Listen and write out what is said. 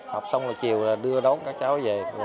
học xong rồi chiều đưa đón các cháu về